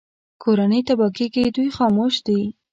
کورنۍ تباه کېږي دوی خاموش دي